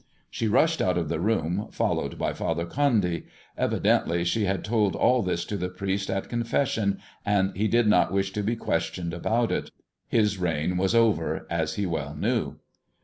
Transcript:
^e rushed out of the room, followed by Father C Evidently she bad told all this to the priest at coofaa and he did not wish to he questioned about it. Hiii jt was over, as he well knew.